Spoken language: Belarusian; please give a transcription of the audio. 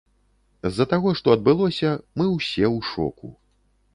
З-за таго, што адбылося, мы ўсе ў шоку.